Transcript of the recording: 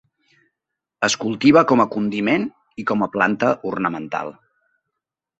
Es cultiva com a condiment i com a planta ornamental.